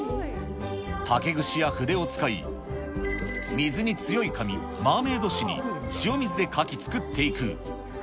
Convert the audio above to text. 竹串や筆を使い、水に強い紙、マーメイド紙に塩水で描き作っていく。